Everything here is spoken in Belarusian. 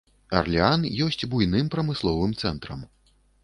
Арлеан ёсць буйным прамысловым цэнтрам.